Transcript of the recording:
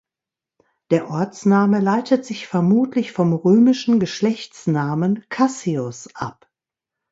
Der Ortsname leitet sich vermutlich vom römischen Geschlechtsnamen "Cassius" ab.